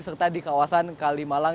serta di kawasan kalimalang